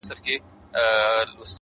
د ژوند دوهم جنم دې حد ته رسولی يمه;